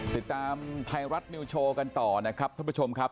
ติดตามไทยรัฐนิวโชว์กันต่อนะครับท่านผู้ชมครับ